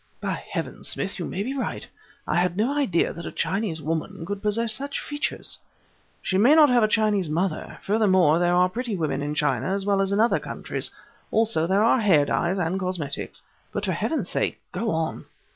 "By heavens, Smith! You may be right! I had no idea that a Chinese woman could possess such features." "She may not have a Chinese mother; furthermore, there are pretty women in China as well as in other countries; also, there are hair dyes and cosmetics. But for Heaven's sake go on!"